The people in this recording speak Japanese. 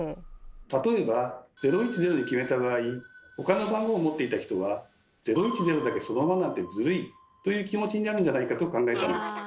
例えば「０１０」に決めた場合他の番号を持っていた人は「『０１０』だけそのままなんてズルい」という気持ちになるんじゃないかと考えたんです。